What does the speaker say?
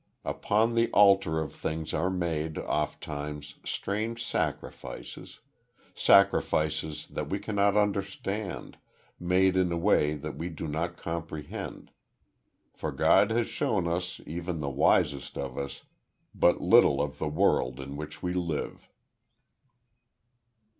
Upon the Altar of Things are made, oft times, strange sacrifices sacrifices that we cannot understand, made in a way that we do not comprehend. For God has shown us, even the wisest of us, but little of the world in which we live.